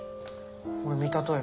俺見たとよ。